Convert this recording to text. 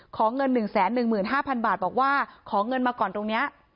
ขอเงิน๑๑๕๐๐๐บาทบอกว่าขอเงินมาก่อนตรงนี้